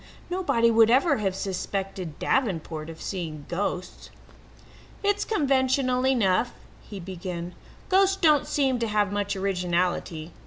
Nobody would ever have suspected Davenport of seeing ghosts. "It's conventional enough," he began. "Ghosts don't seem to have much originality.